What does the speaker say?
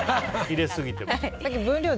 入れすぎても。